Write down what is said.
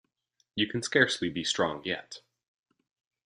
You can scarcely be strong yet.